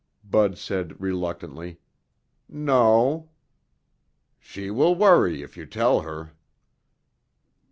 Bud said reluctantly, "No." "She will worry if you tell her."